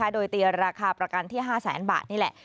โดยตีราคาประกันที่๕แสนบาทนี่แหละ